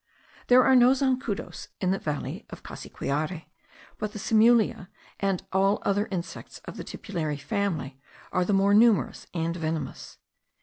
There are no zancudos in the valley of Cassiquiare, but the simulia, and all the other insects of the tipulary family, are the more numerous and venomous.